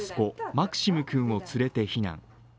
マクシム君を連れて避難。